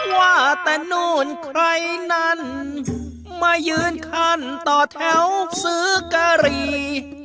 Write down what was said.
ว่าแต่ซื้อกะหรี่